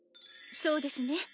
そうですね。